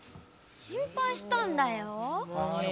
心配したんだよ。